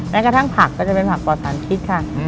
แม้กระทั่งผักก็จะเป็นผักปลอดสารพิษค่ะ